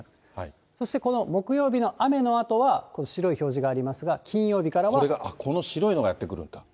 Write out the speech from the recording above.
そしてこの木曜日の雨のあとは、この白い表示がありますが、これが、この白いのがやって来るんだ。